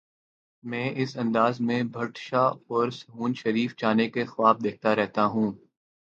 میں اس انداز میں بھٹ شاہ اور سہون شریف جانے کے خواب دیکھتا رہتا ہوں۔